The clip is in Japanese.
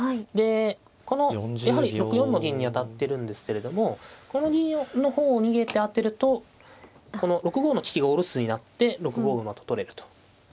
でこのやはり６四の銀に当たってるんですけれどもこの銀の方を逃げて当てるとこの６五の利きがお留守になって６五馬と取れると。